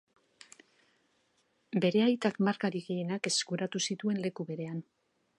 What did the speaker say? Bere aitak markarik gehienak eskuratu zituen leku berean.